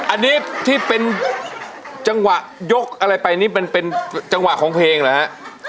อันนี้ที่เป็นจังหวะยกอะไรไปนี่เป็นจังหวะของเพลงเหรอฮะ